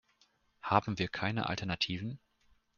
Haben wir keine Alternativen?